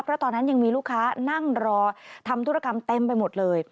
เพราะตอนนั้นยังมีลูกค้านั่งรอทำธุรกรรมเต็มไปหมดเลย